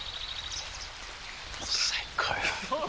最高よ。